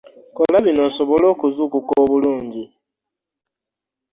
Kola bino osobole okuzukuka obulunji.